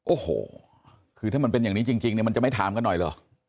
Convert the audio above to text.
โอ้โหคือถ้ามันเป็นอย่างนี้จริงเนี่ยมันจะไม่ถามกันหน่อยเหรอ